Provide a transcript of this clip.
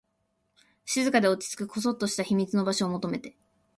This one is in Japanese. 静かで、落ち着く、こそっとした秘密の場所を求めて